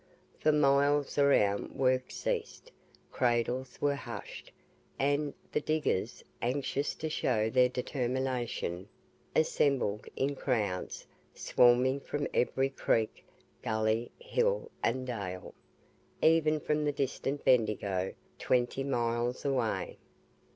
For miles around work ceased, cradles were hushed, and, the diggers, anxious to show their determination, assembled in crowds, swarming from every creek, gully, hill, and dale, even from the distant Bendigo, twenty miles away.